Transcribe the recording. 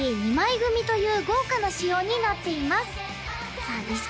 ２枚組という豪華な仕様になっていますさあ